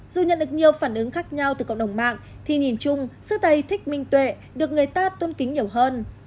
dù nhận được nhiều phản ứng khác nhau từ cộng đồng mạng thì nhìn chung sư tây thích minh tuệ được người ta tôn kính nhiều hơn